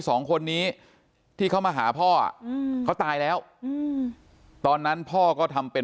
สองคนนี้ที่เขามาหาพ่ออ่ะอืมเขาตายแล้วอืมตอนนั้นพ่อก็ทำเป็น